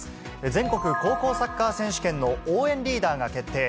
全国高校サッカー選手権の応援リーダーが決定。